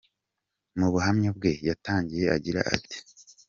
Mu buhamya bwe yatangiye agira ati: .